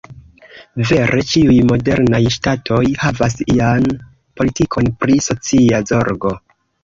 Vere ĉiuj modernaj ŝtatoj havas ian politikon pri socia zorgo.